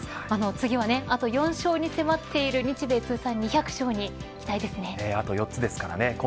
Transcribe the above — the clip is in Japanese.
次は、あと４勝に迫っている日米通算２００勝にあと４つですからね